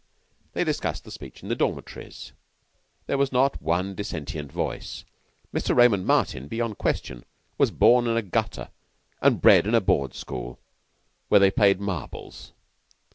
They discussed the speech in the dormitories. There was not one dissentient voice. Mr. Raymond Martin, beyond question, was born in a gutter, and bred in a board school, where they played marbles.